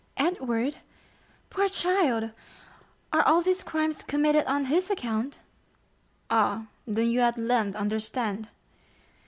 "Edward? Poor child! Are all these crimes committed on his account?" "Ah, then you at length understand?"